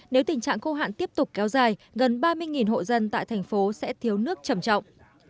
nếu tình trạng khô hạn tiếp tục kéo dài gần ba mươi hộ dân tại thành phố sẽ thiếu nước trầm trọng